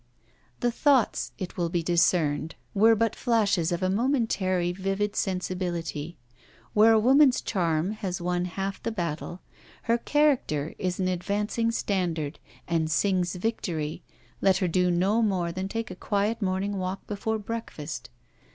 The thoughts, it will be discerned, were but flashes of a momentary vivid sensibility. Where a woman's charm has won half the battle, her character is an advancing standard and sings victory, let her do no more than take a quiet morning walk before breakfast.